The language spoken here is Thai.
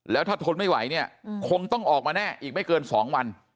แล้วถ้าทนไม่ไหวเนี่ยคงต้องออกมาแน่อีกไม่เกิน๒วัน